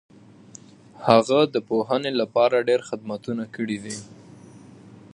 هغه د پوهنې لپاره ډېر خدمتونه کړي دي.